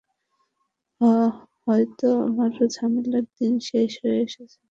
হয়তো আমার ঝামেলার দিন শেষ হয়ে এসেছে।